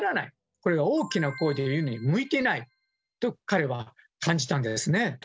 これは大きな声で言うには向いてないと彼は感じたんですね。